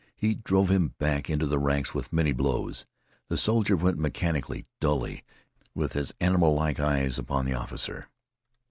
He drove him back into the ranks with many blows. The soldier went mechanically, dully, with his animal like eyes upon the officer.